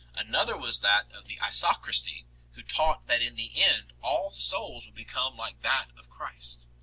Another was that of the Isochristi, who taught that in the end all souls would become like that of Christ.